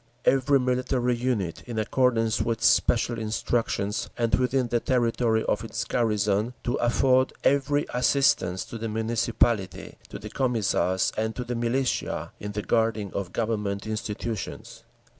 Every military unit, in accordance with special instructions and within the territory of its garrison, to afford every assistance to the Municipality, to the Commissars, and to the militia, in the guarding of Government institutions.